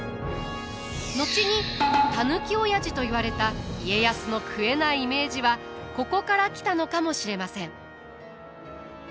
後にたぬきオヤジといわれた家康の食えないイメージはここから来たのかもしれません。